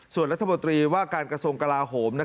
ส่วนรัฐมนตรีว่าการกระทรวงกลาโหม